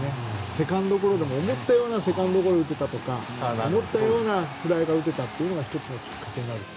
セカンドゴロでも思ったようなセカンドゴロを打てたとか思ったようなフライが打てたっていうのが１つのきっかけになると。